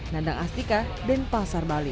nandang astika denpasar bali